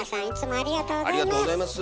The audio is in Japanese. ありがとうございます。